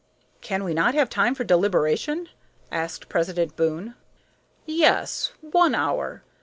"Can we not have time for deliberation?" asked President Boon. "Yes, one hour.